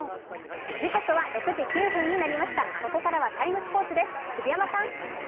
ここからは「ＴＩＭＥ，スポーツ」です、杉山さん。